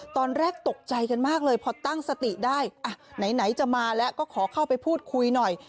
ตอนแรกตกใจกันมากเลยพอตั้งสติได้อ่ะไหนจะมาแล้วก็ขอเข้าไปพูดคุยหน่อย